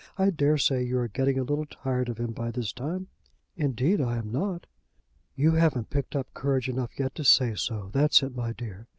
I dare say you are getting a little tired of him by this time." "Indeed, I'm not." "You haven't picked up courage enough yet to say so; that's it, my dear.